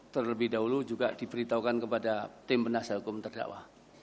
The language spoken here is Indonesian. terlebih dahulu juga diberitahukan kepada tim penasihat hukum terdakwa